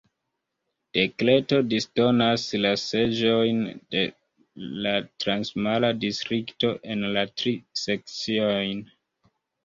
Dekreto disdonas la seĝojn de la transmara distrikto en la tri sekciojn.